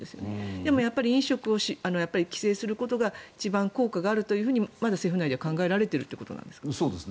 でも飲食を規制することが一番効果があると政府内ではまだ考えられているんですか。